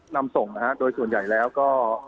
นำส่งนะฮะโดยส่วนใหญ่แล้วก็